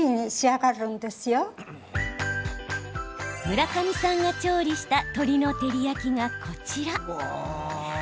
村上さんが調理した鶏の照り焼きが、こちら。